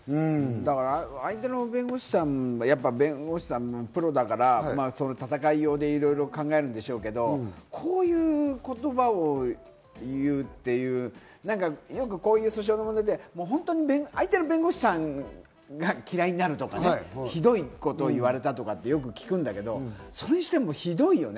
相手の弁護士さんもプロだから闘いようでいろいろ考えるんでしょうけど、こういう言葉を言うって、よくこういう訴訟の問題で、相手の弁護士さんが嫌いになるとか、ひどいことを言われたとかって、よく聞くんだけど、それにしてもひどいよね。